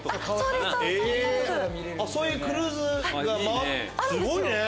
そういうクルーズすごいね！